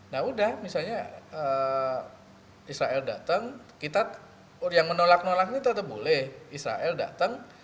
nah udah misalnya israel datang kita yang menolak nolak ini tetap boleh israel datang